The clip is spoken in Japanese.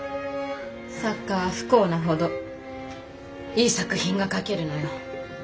作家は不幸なほどいい作品が書けるのよ。